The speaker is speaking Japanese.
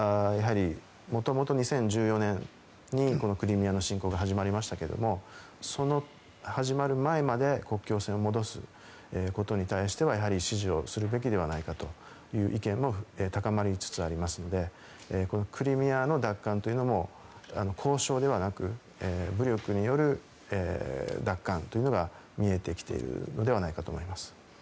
もともと２０１４年にこのクリミアの侵攻が始まりましたがその始まる前まで国境線を戻すことに対してはやはり支持をするべきではないかという意見も高まりつつありますのでクリミアの奪還というのも交渉ではなく武力による奪還というのが見えてきているのではないかと思います。